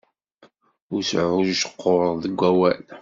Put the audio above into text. Ur sɛujqur deg awal.